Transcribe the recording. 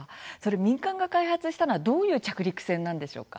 民間が開発したのはどういう着陸船なんでしょうか？